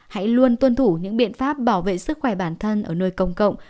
hãy luôn tuân thủ những biện pháp bảo vệ sức khỏe bản thân ở nơi công cộng